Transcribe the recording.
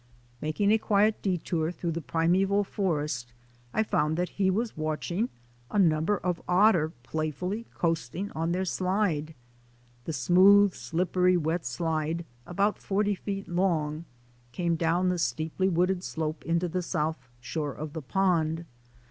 Making a quiet detour through the primeval forest I found that he was watching a number of otter playfully coasting on their slide. The smooth, slippery, wet slide, about forty feet long, came down the steeply wooded slope into the south shore of the pond.